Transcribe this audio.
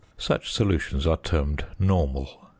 Such solutions are termed normal.